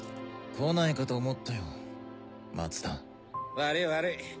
悪い悪い。